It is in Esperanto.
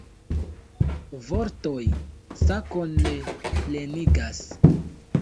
Vortoj sakon ne plenigas.